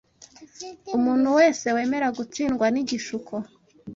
Umuntu wese wemera gutsindwa n’igishuko